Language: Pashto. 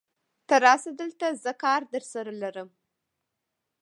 ته راشه دلته، زه کار درسره لرم.